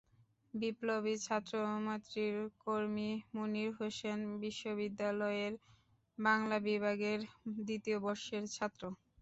বিপ্লবী ছাত্র মৈত্রীর কর্মী মুনীর হোসেন বিশ্ববিদ্যালয়ের বাংলা বিভাগের দ্বিতীয় বর্ষের ছাত্র।